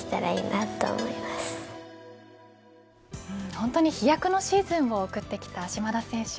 本当に飛躍のシーズンを送ってきた島田選手。